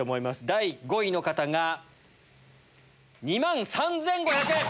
第５位の方が２万３５００円。